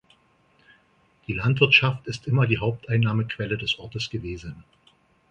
Die Landwirtschaft ist immer die Haupteinnahmequelle des Ortes gewesen.